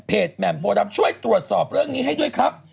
แหม่มโพดำช่วยตรวจสอบเรื่องนี้ให้ด้วยครับ